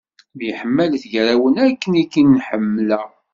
Myeḥmalet gar-awen akken i ken-ḥemmleɣ.